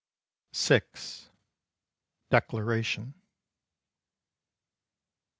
VI. DECLARATION.